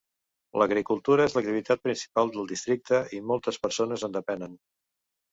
L"agricultura és l"activitat principal del districte i moltes personen en depenen.